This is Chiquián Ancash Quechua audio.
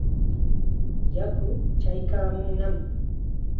Yaku chaykaamunnam.